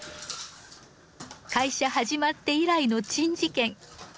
会社始まって以来の珍事件。